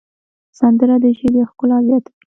سندره د ژبې ښکلا زیاتوي